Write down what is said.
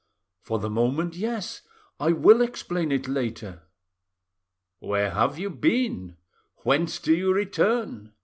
"For the moment, yes. I will explain it later." "Where have you been? Whence do you return?"